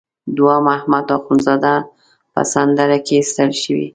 دوهم احمد اخوندزاده په سندره کې ستایل شوی.